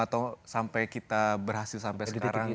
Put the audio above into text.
atau sampai kita berhasil sampai sekarang